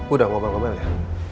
udah ngomel ngomel ya